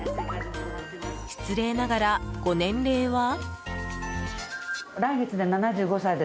失礼ながら、ご年齢は？